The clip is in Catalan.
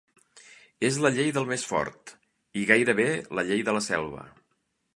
És la llei del més fort… i gairebé la llei de la selva.